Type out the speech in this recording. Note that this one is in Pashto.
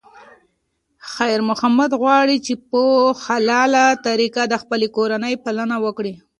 خیر محمد غواړي چې په حلاله طریقه د خپلې کورنۍ پالنه وکړي.